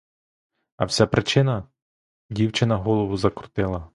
А вся причина — дівчина голову закрутила.